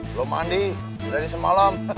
belum mandi tidur semalam